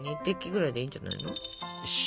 ２滴ぐらいでいいんじゃないの？